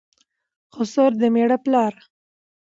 خسر دمېړه پلار